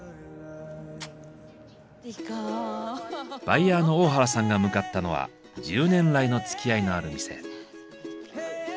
バイヤーの大原さんが向かったのは１０年来のつきあいのある店。